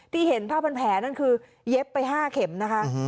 เห็นภาพเป็นแผลนั่นคือเย็บไป๕เข็มนะคะ